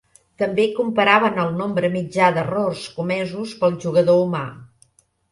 També comparaven el nombre mitjà d'errors comesos pel jugador humà.